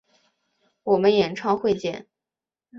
我们演唱会见！